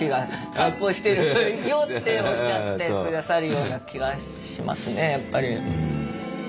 散歩してる「よっ！」っておっしゃって下さるような気がしますねやっぱり。